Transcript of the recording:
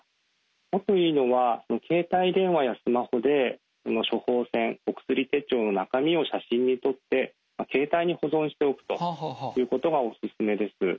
もっといいのは携帯電話やスマホで処方箋お薬手帳の中身を写真に撮って携帯に保存しておくということがおすすめです。